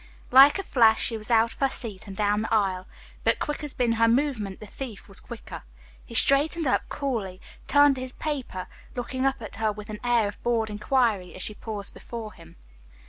Like a flash she was out of her seat and down the aisle. But quick as had been her movement, the thief was quicker. He straightened up, coolly turned to his paper, looking up at her with an air of bored inquiry as she paused before him.